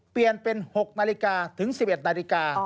เปลี่ยนเป็น๖นาฬิกาถึง๑๑นาฬิกา